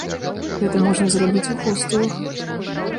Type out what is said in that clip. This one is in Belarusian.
Гэта можна зрабіць у хостэлах.